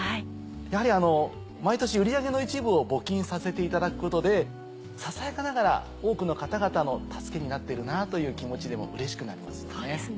やはり毎年売り上げの一部を募金させていただくことでささやかながら多くの方々の助けになっているなという気持ちでもうれしくなりますよね。